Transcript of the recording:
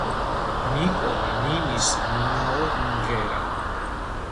ნიკომ ნინის ნინაო უმღერა